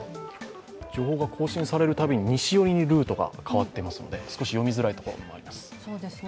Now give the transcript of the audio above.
情報が更新されるたびに西寄りにルートが変わっていますので、少し読みづらいところもありますね。